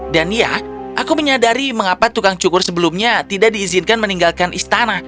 dan ya aku menyadari mengapa tukang cukur sebelumnya tidak diizinkan meninggalkan istana